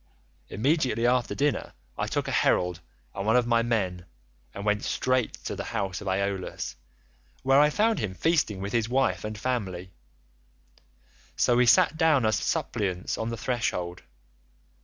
Immediately after dinner I took a herald and one of my men and went straight to the house of Aeolus, where I found him feasting with his wife and family; so we sat down as suppliants on the threshold.